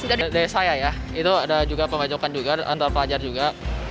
dari saya ya itu ada juga pembacokan juga antar pelajar juga